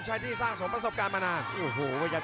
จังหวาดึงซ้ายตายังดีอยู่ครับเพชรมงคล